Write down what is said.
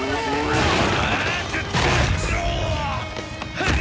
ハッ！